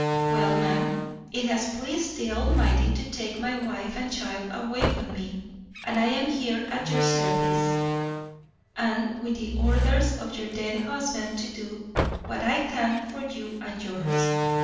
Well, ma'am, it has pleased the Almighty to take my wife and child away from me, and I am here at your service, and with the orders of your dead husband to do what I can for you and yours.